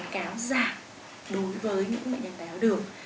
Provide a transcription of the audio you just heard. khiến cáo giảm đối với những bệnh nhân đeo đường